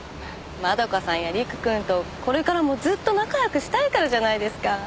円香さんや陸くんとこれからもずっと仲良くしたいからじゃないですか。